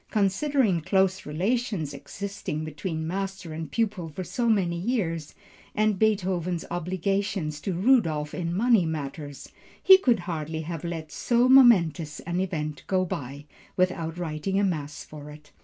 Considering the close relations existing between master and pupil for so many years, and Beethoven's obligations to Rudolph in money matters, he could hardly have let so momentous an event go by, without writing a mass for it.